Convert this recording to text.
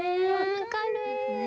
分かる。